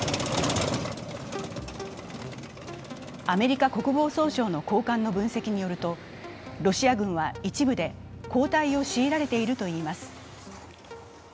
アメリカ国防総省の高官の分析によると、ロシア軍は一部で後退を強いられているといいます。